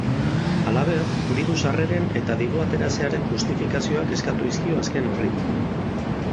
Halaber, diru-sarreren eta dirua ateratzearen justifikazioak eskatu dizkio azken horri.